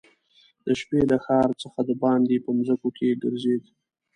د شپې د ښار څخه دباندي په مځکو کې ګرځېد.